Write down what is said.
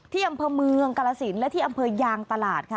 ที่อำเภอเมืองกาลสินและที่อำเภอยางตลาดค่ะ